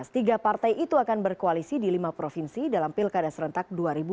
tiga partai itu akan berkoalisi di lima provinsi dalam pilkada serentak dua ribu dua puluh